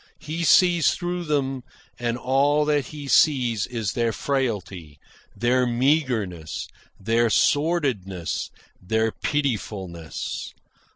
He sees through them, and all that he sees is their frailty, their meagreness, their sordidness, their pitifulness.